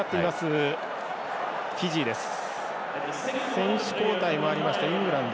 選手交代もありましたイングランド。